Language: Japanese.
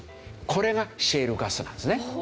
これがシェールガスなんですね。